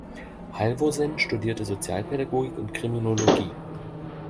Halvorsen studierte Sozialpädagogik und Kriminologie.